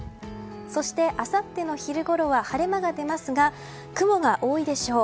そして、あさっての昼ごろは晴れ間が出ますが雲が多いでしょう。